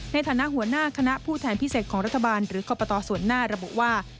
ในฐานะหัวหน้าคณะผู้แทนพิเศษของรัฐบาลหรือคอปตส่วนหน้าระบุว่า